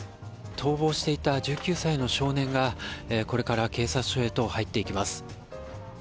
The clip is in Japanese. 逃亡していた１９歳の少年がこれから警察署へと入っていきます。